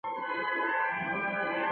高翥人。